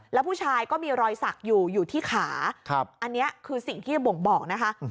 แล้วผู้ชายก็มีรอยสักอยู่อยู่ที่ขาอันนี้คือสิ่งที่บ่งบอกนะคะ